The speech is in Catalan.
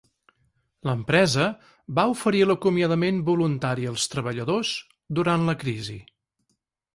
L'empresa va oferir l'acomiadament voluntari als treballadors durant la crisi.